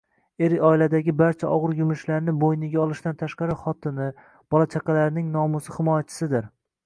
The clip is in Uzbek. Er oiladagi barcha og‘ir yumushlarni buyniga olishdan tashqari, xotini, bola chaqlarining nomusi ximoyachisidir